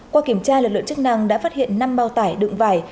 qua kiểm tra lực lượng chức năng đã phát hiện năm bao tải đựng vải